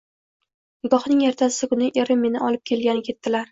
Nikohning ertasi kuni erim meni olib ketgani keldilar.